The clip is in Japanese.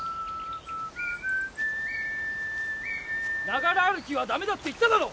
ながら歩きはダメだって言っただろ！